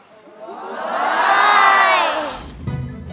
หิ่น